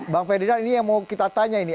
bang ferdinand ini yang mau kita tanya ini